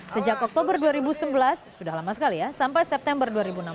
sejak oktober dua ribu sebelas sudah lama sekali ya sampai september dua ribu enam belas